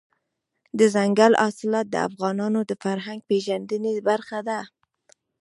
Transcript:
دځنګل حاصلات د افغانانو د فرهنګي پیژندنې برخه ده.